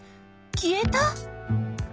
消えた？